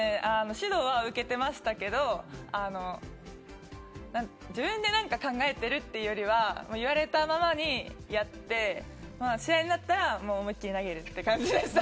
指導は受けていましたけど自分で考えているというよりは言われたままにやって試合になったら思いっ切り投げるという感じでした。